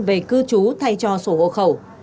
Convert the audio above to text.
về cư chú thay cho sổ hộ khẩu